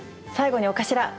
最後にお頭！